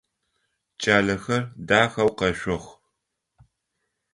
Кӏалэхэр дахэу къэшъох.